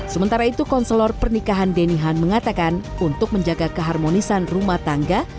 sementara itu konselor pernikahan denihan mengatakan untuk menjaga keharmonisan rumah tangga